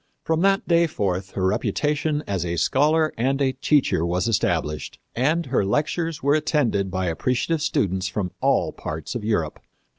From that day forth her reputation as a scholar and a teacher was established, and her lectures were attended by appreciative students from all parts of Europe.